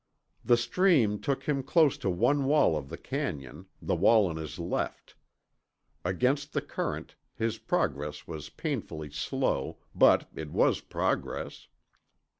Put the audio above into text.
The stream took him close to one wall of the canyon, the wall on his left. Against the current, his progress was painfully slow, but it was progress.